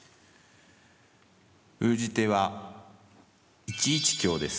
封じ手は１一香です。